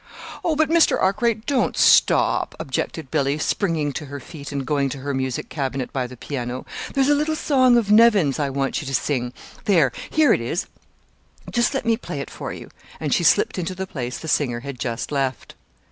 "Oh, but, Mr. Arkwright, don't stop," objected Billy, springing to her feet and going to her music cabinet by the piano. "There's a little song of Nevin's I want you to sing. There, here it is. Just let me play it for you." And she slipped into the place the singer had just left.